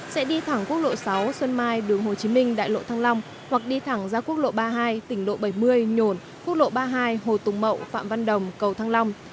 xuống nút giao khoa